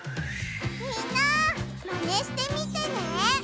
みんなマネしてみてね！